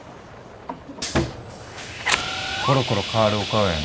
ころころ変わるお顔やね。